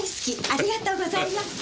ありがとうございます。